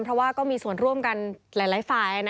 เพราะว่าก็มีส่วนร่วมกันหลายฝ่าย